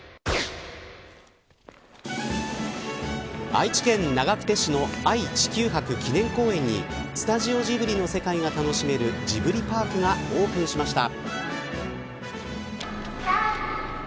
愛知県長久手市の愛・地球博記念公園にスタジオジブリの世界が楽しめるジブリパークがオープンしました。